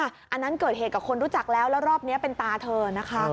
อันนั้นเกิดเหตุกับคนรู้จักแล้วแล้วรอบนี้เป็นตาเธอนะคะ